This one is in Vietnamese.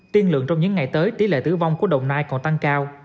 tiên lượng trong những ngày tới tỷ lệ tử vong của đồng nai còn tăng cao